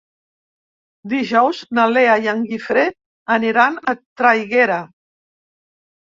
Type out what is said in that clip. Dijous na Lea i en Guifré aniran a Traiguera.